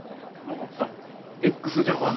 あっＸＪＡＰＡＮ